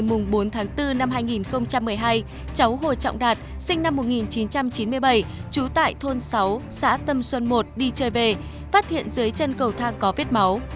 vào lúc một mươi tám h ngày bốn bốn hai nghìn một mươi hai cháu hồ trọng đạt sinh năm một nghìn chín trăm chín mươi bảy trú tại thôn sáu xã tâm xuân i đi chơi về phát hiện dưới chân cầu thang có viết máu